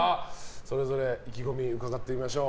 それぞれ意気込みを伺っていきましょう。